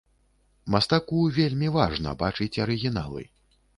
Мастаку вельмі важна бачыць арыгіналы.